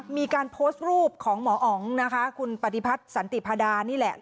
มีการโพสต์รูปของหมออ๋องนะคะคุณปฏิพัฒน์สันติพาดานี่แหละ